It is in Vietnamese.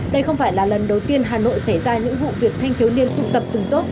đây không phải là lần đầu tiên hà nội xảy ra những vụ việc thanh thiếu niên tụ tập từng tốt